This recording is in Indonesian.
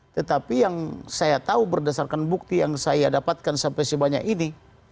tetapi yang saya tahu berdasarkan bukti yang saya dapatkan sampai sebanyak ini